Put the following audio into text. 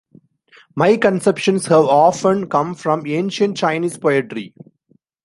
My conceptions have often come from ancient Chinese poetry.